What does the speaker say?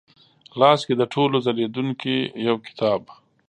لاس کې د ټولو ځلېدونکې یوکتاب،